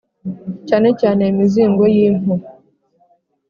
cyane cyane imizingo y impu